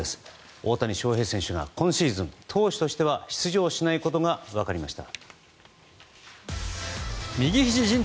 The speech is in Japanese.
大谷翔平選手が今シーズン投手としては出場しないことが分かりました。